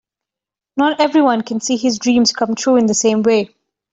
Not everyone can see his dreams come true in the same way.